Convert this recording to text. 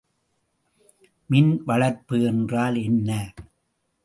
மின் வளர்ப்பு என்றால் என்ன?